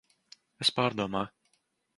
Es pārdomāju.